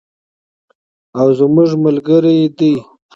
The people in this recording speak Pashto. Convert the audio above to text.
او زموږ ملګری دی.